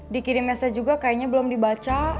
dikirim mesej juga kayaknya belum dibaca